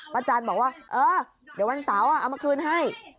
อาจารย์บอกว่าเออเดี๋ยววันเสาร์เอามาคืนให้